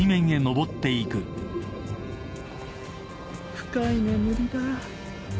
深い眠りだ。